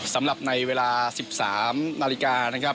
สำหรับในเวลา๑๓นาฬิกานะครับ